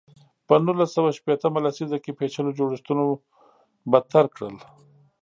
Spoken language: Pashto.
په نولس سوه شپېته مه لسیزه کې پېچلو جوړښتونو بدتر کړل.